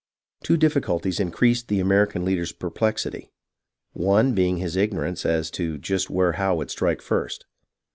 Two difficulties increased the American leader's perplex it}', one being his ignorance as to just where Howe would strike first.